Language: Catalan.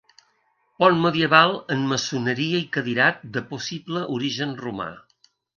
Pont medieval en maçoneria i cadirat de possible origen romà.